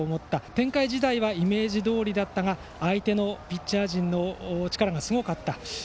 展開自体はイメージどおりだったが相手のピッチャー陣の力がすごかった。